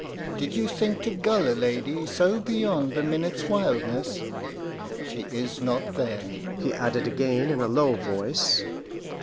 Did you think to gull a lady so beyond the minute's wildness? She is not there," he added again in a low voice.